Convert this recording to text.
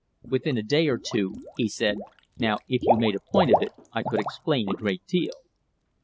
"Within a day or two," he said, "now, if you made a point of it, I could explain a great deal."